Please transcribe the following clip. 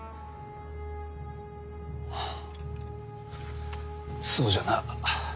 ふうそうじゃな。